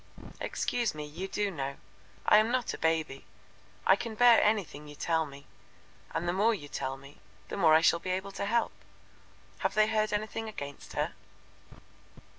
"Excuse me, you do know. I am not a baby. I can bear anything you tell me, and the more you tell the more I shall be able to help. Have they heard anything against her?"